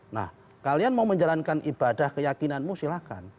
nah kalian mau menjalankan ibadah keyakinanmu silahkan